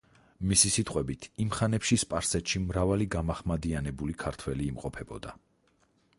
მისი სიტყვებით, იმ ხანებში სპარსეთში მრავალი გამაჰმადიანებული ქართველი იმყოფებოდა.